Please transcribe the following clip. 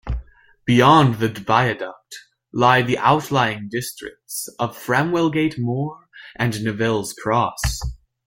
Beyond the viaduct lie the outlying districts of Framwellgate Moor and Neville's Cross.